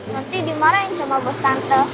nanti dimarahin coba bos tante